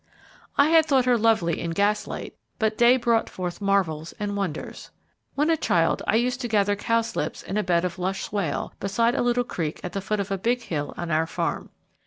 I had thought her lovely in gas light, but day brought forth marvels and wonders. When a child, I used to gather cowslips in a bed of lush swale, beside a little creek at the foot of a big hill on our farm.